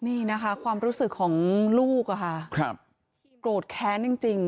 นี่นะคะความรู้สึกของลูกอะค่ะโกรธแค้นจริง